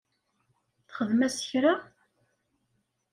Txdem-as kra?